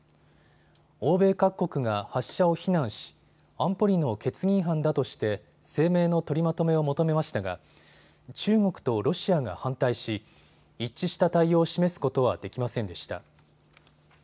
欧米各国が発射を非難し、安保理の決議違反だとして声明の取りまとめを求めましたが中国とロシアが反対し一致した対応を示すことはできませんでした。